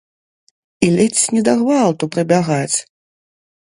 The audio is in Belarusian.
І ледзь не да гвалту прыбягаць?